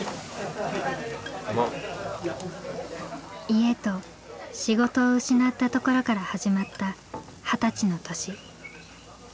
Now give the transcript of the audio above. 家と仕事を失ったところから始まった二十歳の年。